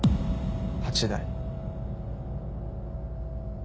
８台。